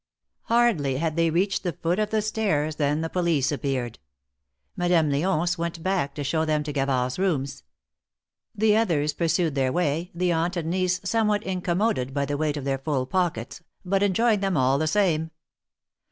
Hardly had tliey reached the foot of the stairs than the police appeared. Madame L6once went back to show them to Gavard^s rooms. The others pursued their way, the aunt and niece somewhat incommoded by the weight of their full pockets, but enjoying them all the same.